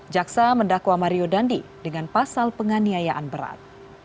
jaksa mendakwa mario dandi dengan pasal penganiayaan berat